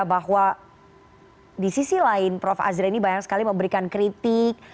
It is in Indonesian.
bahwa di sisi lain prof azra ini banyak sekali memberikan kritik